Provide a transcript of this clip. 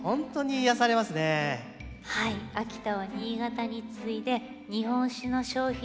秋田は新潟に次いで日本酒の消費量